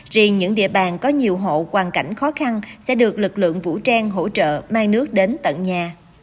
riêng những địa bàn có nhiều hộ hoàn cảnh khó khăn sẽ được lực lượng vũ trang hỗ trợ mang nước đến tận nhà